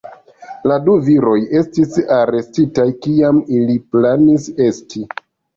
La du viroj estis arestitaj, kiam ili planis esti.